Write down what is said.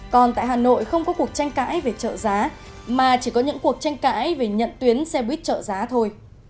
còn tại hà nội không có cuộc tranh cãi về trợ giá mà chỉ có những cuộc tranh cãi về nhận tuyến xe buýt trợ giá thôi